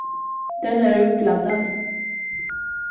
Den är uppladdad.